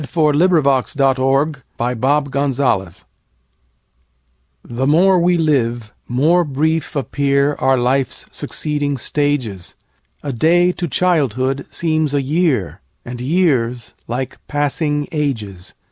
The River of Life THE MORE we live, more brief appearOur life's succeeding stages:A day to childhood seems a year, And years like passing ages.